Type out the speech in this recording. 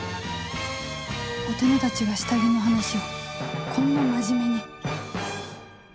大人たちが下着の話をこんな真面目に